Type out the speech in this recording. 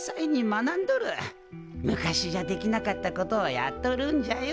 昔じゃできなかったことをやっとるんじゃよ。